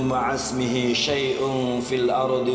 layat rumah asmihi sayyum fil ardi